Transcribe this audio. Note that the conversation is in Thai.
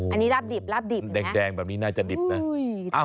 อันนี้ลาบดิบลาบดิบแดงแบบนี้น่าจะดิบนะ